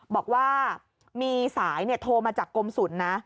บอกว่ามีสายโทรมาจากกรมศูนย์นะ